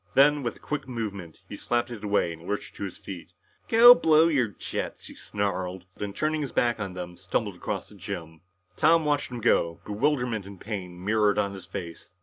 Then, with a quick movement, he slapped it away and lurched to his feet. "Go blow your jets," he snarled, and turning his back on them, stumbled across the gym. Tom watched him go, bewilderment and pain mirrored on his face.